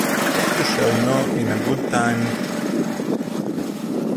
That you shall know in good time.